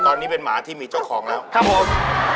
ตอนนี้เป็นหมาที่มีเจ้าของแล้วครับผม